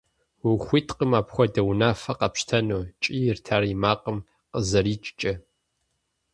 - Ухуиткъым апхуэдэ унафэ къэпщтэну! – кӀийрт ар и макъым къызэрикӀкӀэ.